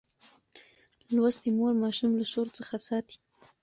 لوستې مور ماشوم له شور څخه ساتي.